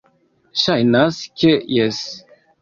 Ŝajnas, ke jes.